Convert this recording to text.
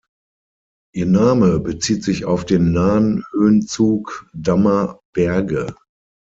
Ihr Name bezieht sich auf den nahen Höhenzug Dammer Berge.